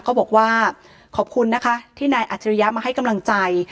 ก็บอกว่าขอบคุณนะคะที่นายอัจฉริยะมาให้กำลังใจ